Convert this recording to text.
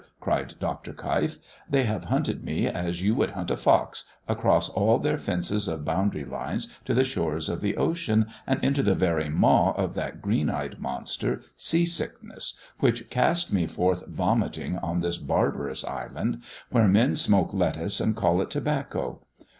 cried Dr. Keif. "They have hunted me as you would hunt a fox, across all their fences of boundary lines to the shores of the ocean, and into the very maw of that green eyed monster, Sea sickness, which cast me forth vomiting on this barbarous island, where men smoke lettuce and call it tobacco!"